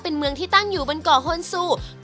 เป็นเมืองที่ตั้งอยู่บนก่อหนสู